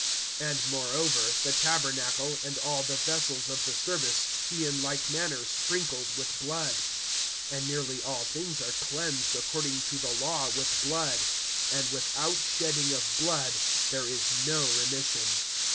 (21)And moreover, the tabernacle, and all the vessels of the service, he in like manner sprinkled with blood. (22)And nearly all things are cleansed according to the law with blood; and without shedding of blood there is no remission.